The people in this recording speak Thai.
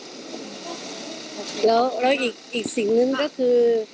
แล้วอีกสิ่งหนึ่งก็คือ